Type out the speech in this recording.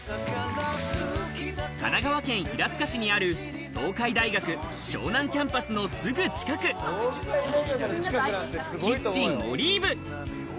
神奈川県平塚市にある東海大学、湘南キャンパスのすぐ近く、キッチン・オリーブ。